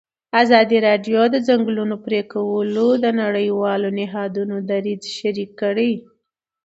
ازادي راډیو د د ځنګلونو پرېکول د نړیوالو نهادونو دریځ شریک کړی.